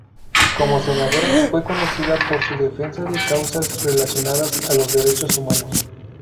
Como senadora, fue conocida por su defensa de causas relacionadas a los derechos humanos.